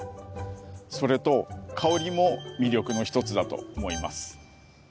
それと香りも魅力の一つだと思います。